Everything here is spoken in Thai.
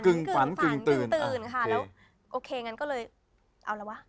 กึ่งฝันกึ่งตื่นฝันกึ่งตื่นอะค่ะแล้วโอเคงั้นก็เลยเอาแล้ววะ